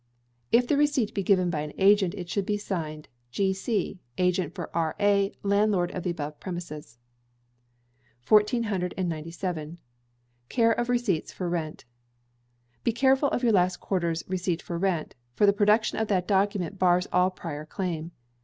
If the receipt be given by an agent, it should be signed: G. C., Agent for R.A., landlord of the above premises. 1497. Care of Receipts for Rent. Be careful of your last quarter's receipt for rent, for the production of that document bars all prior claim.